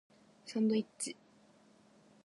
サンドイッチ